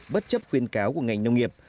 bất chấp khuyên cáo của ngành nông nghiệp